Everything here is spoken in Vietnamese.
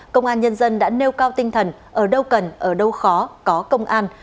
công an nhân dân đã nêu cao tinh thần ở đâu cần ở đâu khó có công an